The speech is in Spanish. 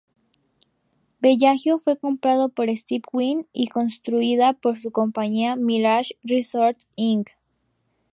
Bellagio fue comprado por Steve Wynn y construida por su compañía, Mirage Resorts, Inc.